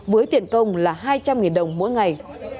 với tiền công là hai trăm linh đồng mỗi ngày